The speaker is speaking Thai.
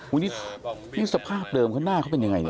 อุ้ยนี่สภาพเดิมเพราะหน้าเขาเป็นยังไงนะ